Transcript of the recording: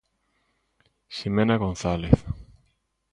Ximena González.